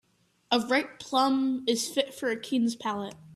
A ripe plum is fit for a king's palate.